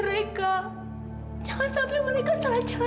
dan juga demi bayi dalam kandungan kamu